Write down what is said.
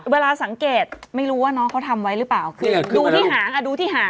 เวลาสังเกตไม่รู้ว่าน้องเขาทำไว้หรือเปล่าคือดูที่หางอ่ะดูที่หาง